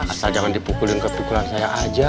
asal jangan dipukulin kepikulan saya aja